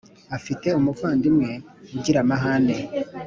afite umuvandimwe ugira amahane